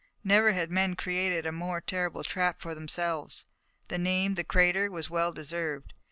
Never had men created a more terrible trap for themselves. The name, the crater, was well deserved.